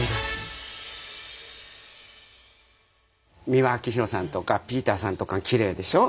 美輪明宏さんとかピーターさんとかきれいでしょう。